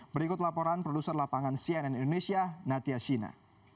berikut laporan produser lapangan cnn indonesia natia shina